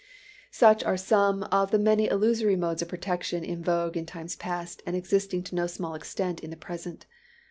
Such are some of the many illusory modes of protection in vogue in times past, and existing to no small extent in the present.